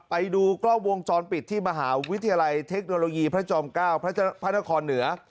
ไปดูกล้องวงจรปิดที่มหาวิทยาลัยเทคโนโลยีพระจอม๙พระนครเหนือ